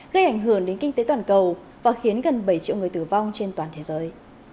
gây ảnh hưởng đến kinh tế toàn cầu và khiến gần bảy triệu người tử vong trên toàn thế giới